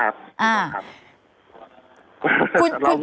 ถูกต้องครับ